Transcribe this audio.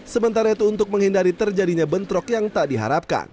sementara itu untuk menghindari terjadinya bentrok yang tak diharapkan